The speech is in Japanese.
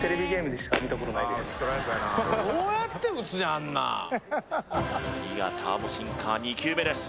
あんなん次がターボシンカ−２球目です